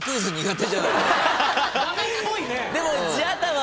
でも。